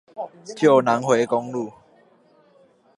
舊南迴公路